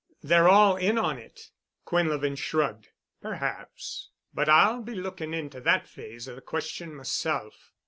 They're all in on it." Quinlevin shrugged. "Perhaps, but I'll be looking into that phase of the question myself."